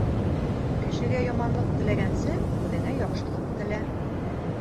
Кешегә яманлыҡ теләгәнсе, үҙеңә яҡшылыҡ телә.